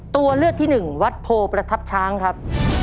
ตัวเลือกที่หนึ่งวัดโพประทับช้างครับ